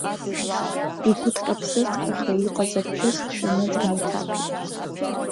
Игәыҭҟьаԥсыҭҟьаха иҟаз аԥҳәыс дшәаны днеиҭаԥеит.